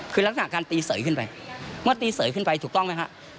คือรักษาการตีเสยขึ้นไปถูกต้องไหมครับ